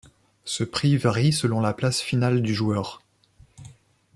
Ce prix varie selon la place finale du joueur.